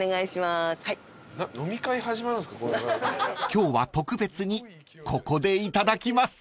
［今日は特別にここでいただきます］